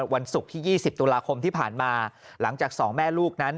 วันศุกร์ที่๒๐ตุลาคมที่ผ่านมาหลังจากสองแม่ลูกนั้น